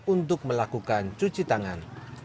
untuk melakukan cuci tangan